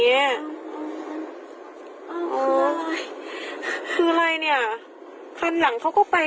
ก็ติดโอ้อูดอนอูดอนทีนี้อูดอนแล้วก็ลงแล้วก็ไป